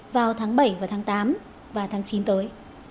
vào tháng bảy và tháng tám và tháng chín tới